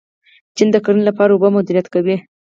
چین د کرنې لپاره اوبه مدیریت کوي.